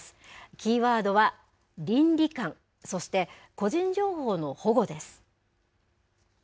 キーワードは倫理観、そして個人情報の保護です。